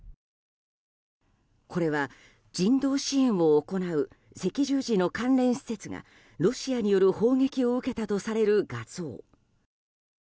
これは、人道支援を行う赤十字の関連施設がロシアによる砲撃を受けたとされる画像。